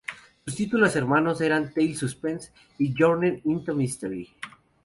Sus títulos hermanos eran "Tales of Suspense y "Journey into Mystery.